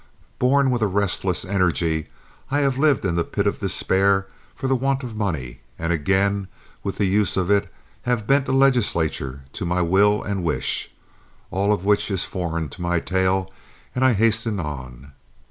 Born with a restless energy, I have lived in the pit of despair for the want of money, and again, with the use of it, have bent a legislature to my will and wish. All of which is foreign to my tale, and I hasten on.